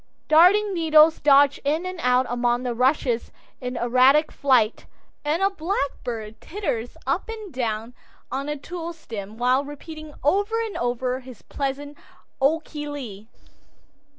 Darning needles dodge in and out among the rushes in erratic flight, and a blackbird teeters up and down on a tulle stem while repeating over and over his pleasant "O ko lee."